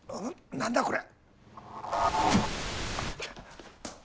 何だこれ？